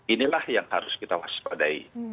inilah yang harus kita waspadai